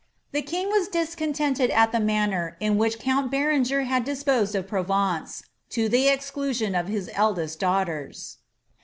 The king was discontented at the manner in which count Berenger had disposed of Provence, to the exclusion of his ddest dauffhters.